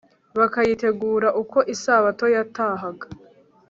bakayitegura uko isabato yatahaga